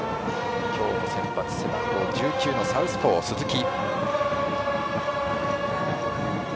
今日の先発、背番号１９のサウスポー・鈴木。